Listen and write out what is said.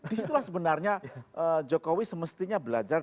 disitulah sebenarnya jokowi semestinya belajar